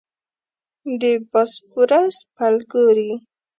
د باسفورس پل ګورې.